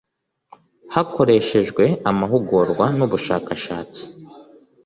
hakoreshejwe amahugurwa n ubushakashatsi